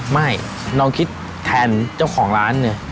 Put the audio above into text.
ไม่ลองคิดแทนเจ้าของร้านเนี่ย